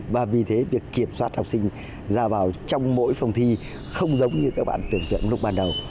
và vì thế việc kiểm soát học sinh ra vào trong mỗi phòng thi không giống như các bạn tưởng tượng lúc ban đầu